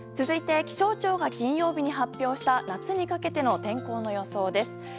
続いて気象庁が金曜日に発表した夏にかけての天候の予想です。